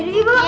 yuk kita balik